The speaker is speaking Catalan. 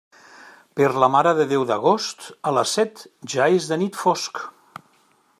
Per la Mare de Déu d'agost, a les set ja és de nit fosc.